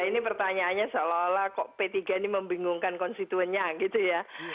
ini pertanyaannya seolah olah kok p tiga ini membingungkan konstituennya gitu ya